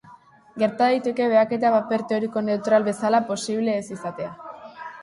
Gerta daiteke behaketa paper teoriko neutral bezala posible ez izatea.